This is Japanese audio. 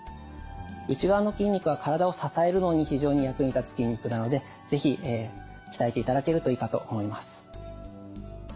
内側の筋肉は体を支えるのに非常に役に立つ筋肉なので是非鍛えていただけるといいかと思います。